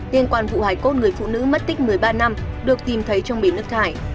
liên quan vụ hải cốt người phụ nữ mất tích một mươi ba năm được tìm thấy trong bì nước thải